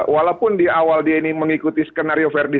walaupun di awal dia ini mengikuti skenario verdi